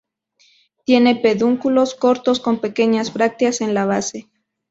Tiene pedúnculos cortos con pequeñas brácteas en la base.